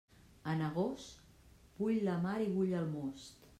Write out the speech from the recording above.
En agost, bull la mar i bull el most.